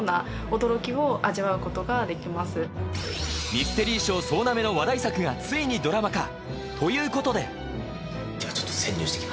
ミステリー賞総なめの話題作がついにドラマ化！ということでではちょっと。